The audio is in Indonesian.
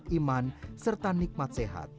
semoga kamu menikmati iman serta nikmat sehat